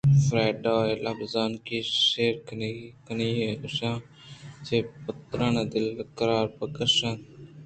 فریڈا ءِ لبزانی شیرکنی آئی ءِ گوشان چہ پترٛان دل ءَقرار بکشان اِت اَنت